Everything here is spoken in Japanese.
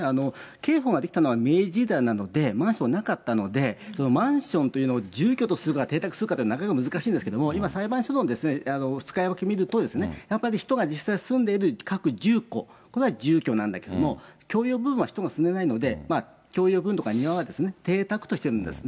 刑法が出来たのは明治時代なので、マンションはなかったので、マンションというのを住居とするか邸宅とするか、なかなか難しいんですけれども、今裁判所の使い分けを見ると、中に人が実際に住んでいる各住戸、これは住居なんだけれども、共用部分は人が住めないので、共用部とか庭はですね、邸宅としてるんですね。